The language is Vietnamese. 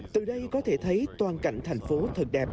từ đây có thể thấy toàn cảnh thành phố thật đẹp